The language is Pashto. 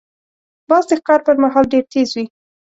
باز د ښکار پر مهال ډېر تیز وي